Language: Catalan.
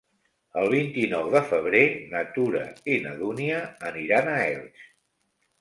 El vint-i-nou de febrer na Tura i na Dúnia aniran a Elx.